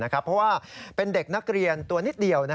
เพราะว่าเป็นเด็กนักเรียนตัวนิดเดียว